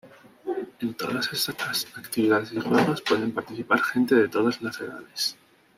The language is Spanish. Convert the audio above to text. En todas estas actividades y juegos pueden participar gente de todas las edades.